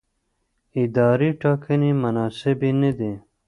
اداري ټاکنې مناسبې نه دي.